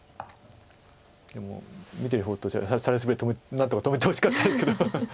でも見てる方としてはサルスベリ何とか止めてほしかったですけど。